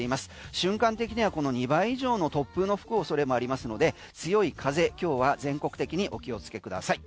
瞬間的にはこの２倍以上の突風の吹く恐れもありますので強い風、今日は全国的にお気をつけください。